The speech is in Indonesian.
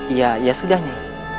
iya ya sudah nyai